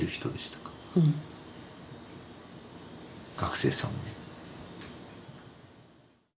学生さんも？